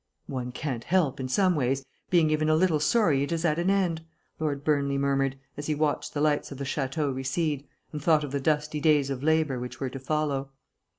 "One can't help, in some ways, being even a little sorry it is at an end," Lord Burnley murmured, as he watched the lights of the château recede, and thought of the dusty days of labour which were to follow.